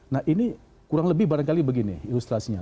nah ini kurang lebih barangkali begini ilustrasinya